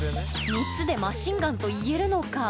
３つでマシンガンと言えるのか？